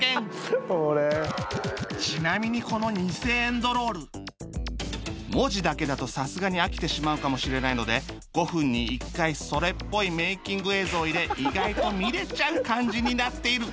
ちなみにこのニセエンドロール文字だけだとさすがに飽きてしまうかもしれないので５分に１回それっぽいメイキング映像を入れ意外と見れちゃう感じになっている